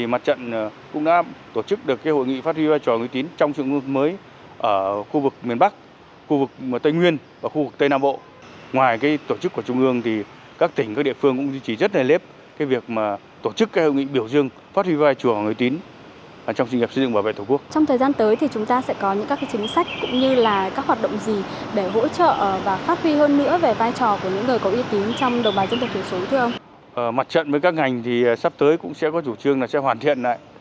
mặt trận với các ngành thì sắp tới cũng sẽ có chủ trương là sẽ hoàn thiện lại